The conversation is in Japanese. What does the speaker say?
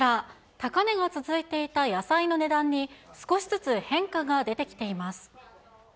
高値が続いていた野菜の値段に、少しずつ変化が出てきています。